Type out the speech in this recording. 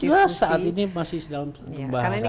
tidak saat ini masih dalam kembang